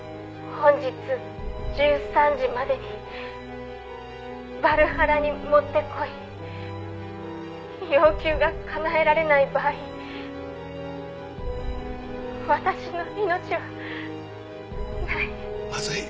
「本日１３時までにヴァルハラに持ってこい」「要求がかなえられない場合私の命はない」まずい！